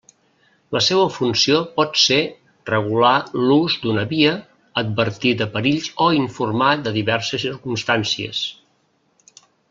La seua funció pot ser, regular l'ús d'una via, advertir de perills o informar de diverses circumstàncies.